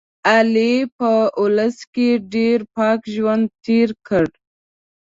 علي په اولس کې ډېر پاک ژوند تېر کړ.